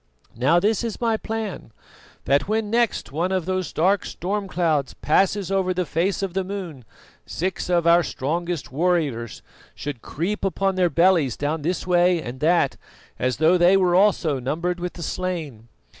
Now, this is my plan: that when next one of those dark storm clouds passes over the face of the moon six of the strongest of our warriors should creep upon their bellies down this way and that, as though they were also numbered with the slain.